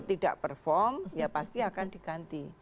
tidak perform ya pasti akan diganti